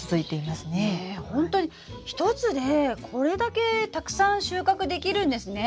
ほんとに１つでこれだけたくさん収穫できるんですね。